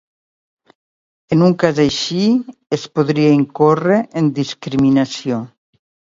En un cas així es podria incórrer en discriminació.